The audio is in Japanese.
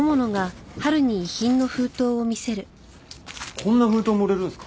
こんな封筒も売れるんですか？